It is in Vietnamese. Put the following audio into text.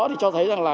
thì cho thấy rằng là